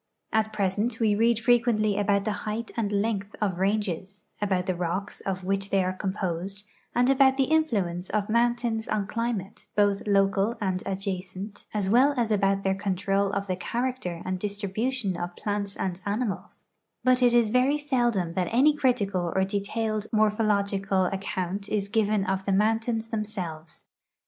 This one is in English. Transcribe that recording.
At present we read frequently about the height and length of ranges, about the rocks of which they are composed, and about the influence of mountains on climate, both local and adjacent, as well as about their control of the character and distribution of plants and animals, but it is very seldom that any critical or detailed morphological account is given of the mountains themselves.